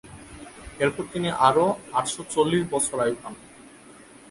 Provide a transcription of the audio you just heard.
এরপর তিনি আরো আটশ চল্লিশ বছর আয়ু পান।